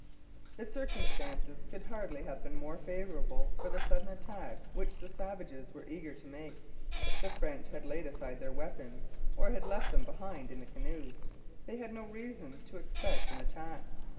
The circumstances could hardly have been more favourable for the sudden attack which the savages were eager to make. The French had laid aside their weapons, or had left them behind in the canoes. They had no reason to expect an attack.